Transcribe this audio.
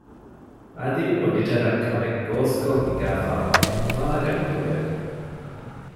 އަދި އޮޑިޓަރަށް ކަމެއްގޯސްކޮށް ހިނގާފައިވާކަން ފާހަގަނުކުރެވެ